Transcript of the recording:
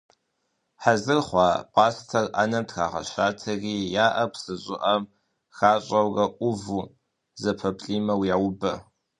Хьэзыр хъуа пӏастэр ӏэнэм трагъэщатэри я ӏэр псы щӏыӏэм хащӏэурэ ӏуву, зэпэплӏимэу яубэ.